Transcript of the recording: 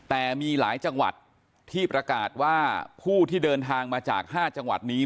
แต่มีหลายจังหวัดที่ประกาศว่าผู้ที่เดินทางมาจาก๕จังหวัดนี้